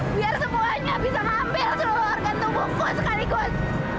biar semuanya bisa ngambil seluar gantung buku sekaligus